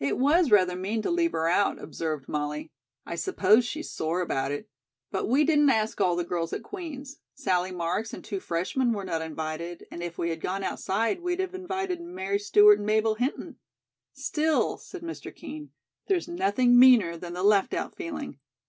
"It was rather mean to leave her out," observed Molly. "I suppose she's sore about it. But we didn't ask all the girls at Queen's. Sallie Marks and two freshmen were not invited, and if we had gone outside, we'd have invited Mary Stewart and Mabel Hinton." "Still," said Mr. Kean, "there's nothing meaner than the 'left out' feeling.